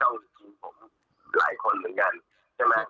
หลายคนเหมือนกันใช่ไหมครับ